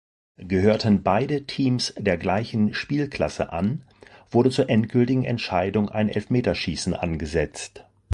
Gehörten beide Teams der gleichen Spielklasse an, wurde zur endgültigen Entscheidung ein Elfmeterschießen angesetzt.